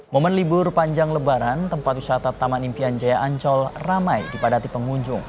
momen libur panjang lebaran tempat wisata taman impian jaya ancol ramai dipadati pengunjung